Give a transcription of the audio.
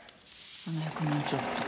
７００万ちょっと。